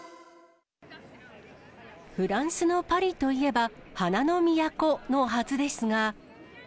フランスのパリといえば、花の都のはずですが。